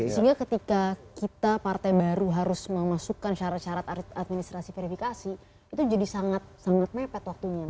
sehingga ketika kita partai baru harus memasukkan syarat syarat administrasi verifikasi itu jadi sangat sangat mepet waktunya